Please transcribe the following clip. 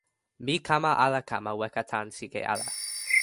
mi kama ala kama weka tan sike ale.